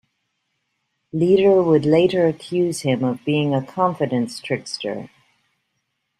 Lieder would later accuse him of being a confidence trickster.